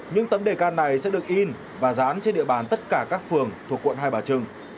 những tấm đề can này sẽ được in và dán trên địa bàn tất cả các phường thuộc quận hai bà trưng